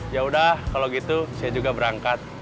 yaudah kalau gitu saya juga berangkat